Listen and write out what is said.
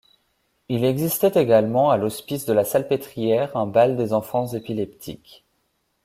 Il existait également à l'Hospice de la Salpêtrière un bal des enfants épileptiques.